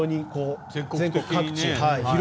全国各地に。